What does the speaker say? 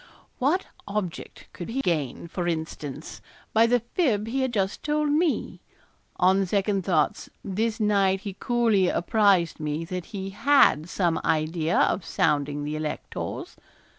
What object could he gain, for instance, by the fib he had just told me? On second thoughts this night he coolly apprised me that he had some idea of sounding the electors.